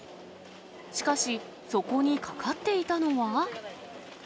しかし、そこにかかっていたのは。